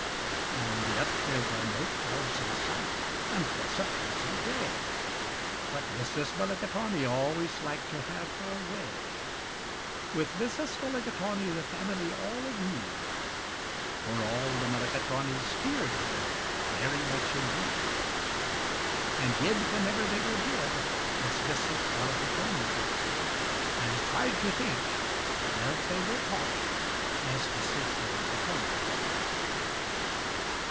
And yet there were no clouds in sight, and 'twas a pleasant day, But Mrs. Mulligatawny always liked to have her way. With Mrs. Mulligatawny the family all agreed, For all the Mulligatawnys feared her very much indeed, And did, whenever they were bid, As Mrs. Mulligatawny did, And tried to think, as they were taught, As Mrs. Mulligatawny thought.